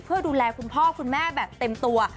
เพื่อดูแลคุณพ่อคุณแม่แบบเต็มตัว